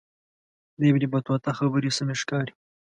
د ابن بطوطه خبرې سمې ښکاري.